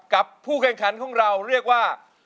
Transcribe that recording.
ผู้แข่งขันของเราเรียกว่า